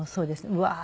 うわー。